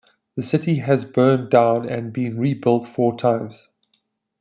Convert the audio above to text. The city has burned down and been rebuilt four times.